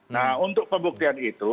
nah untuk pembuktian itu